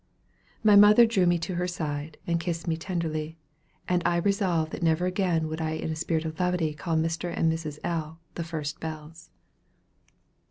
My mother drew me to her side, and kissed me tenderly; and I resolved that never again would I in a spirit of levity call Mr. and Mrs. L. "the first bells."